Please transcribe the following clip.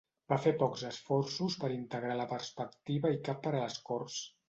Va fer pocs esforços per integrar la perspectiva i cap per a l'escorç.